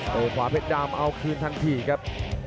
ขวาเพชรดำเอาคืนทันทีครับ